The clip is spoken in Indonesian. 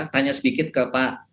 tanya sedikit ke pak